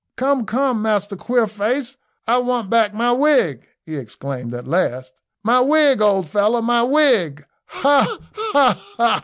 "Come, come, Master Queerface, I want back my wig," he exclaimed, at last; "my wig, old fellow my wig ha ha ha!"